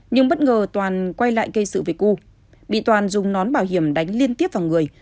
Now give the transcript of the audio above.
nhưng bất ngờ toàn quay lại gây sự về cư bị toàn dùng nón bảo hiểm đánh liên tiếp vào người